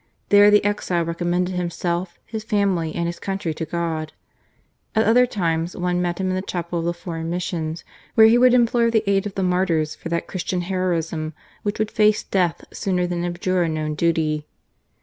There the exile recommended himself, his family, and his country to God. At other times one met him in the Chapel of the Foreign Missions, where he would implore the aid of the martyrs for that Christian heroism which would face death sooner than abjure a known duty.